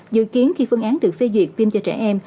dự kiến khi phương án được phê duyệt phim cho trẻ em